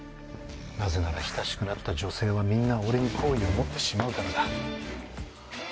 なぜなら親しくなった女性はみんな俺に好意を持ってしまうからだ。